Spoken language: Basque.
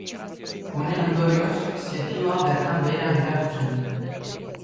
Honen ondorioz, setioa bertan behera geratu zen.